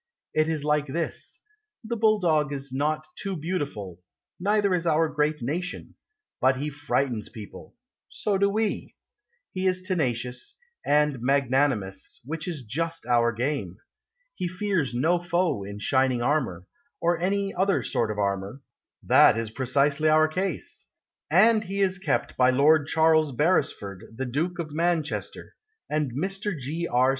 It is like this: The Bulldog is not too beautiful, Neither is our great nation; But he frightens people So do we; He is tenacious And magnanimous Which is just our game; He fears no foe in shining armour, Or any other sort of armour That is precisely our case; And he is kept by Lord Charles Beresford, The Duke of Manchester, And Mr. G. R.